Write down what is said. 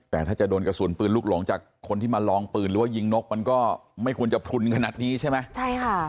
แต่ถ้าจะโดนกระสุนปืนลูกหลงจากคนที่มาลองปืนหรือว่ายิงนกมันก็ไม่ควรจะพลุนขนาดนี้ใช่ไหมใช่ค่ะ